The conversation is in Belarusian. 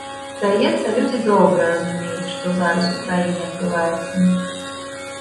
Здаецца, людзі добра разумеюць, што зараз у краіне адбываецца.